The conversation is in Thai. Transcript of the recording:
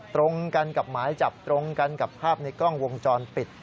ตรงกันกับหมายจับตรงกันกับภาพในกล้องวงจรปิด